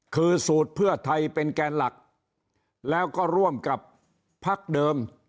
คือสูตรเพื่อไทยเป็นแกนหลักแล้วก็ร่วมกับพักเดิม